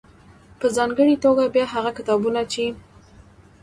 .په ځانګړې توګه بيا هغه کتابونه چې